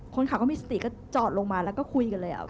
คนขับก็มีสติก็จอดลงมาแล้วก็คุยกันเลย